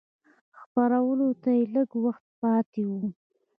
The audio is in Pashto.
خپرولو ته یې لږ وخت پاته و.